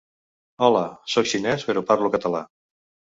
Hola, soc xinès però parlo català.